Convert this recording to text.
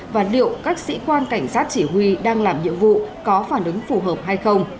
và liệu các sĩ quan cảnh sát chỉ huy đang làm nhiệm vụ có phản ứng phù hợp hay không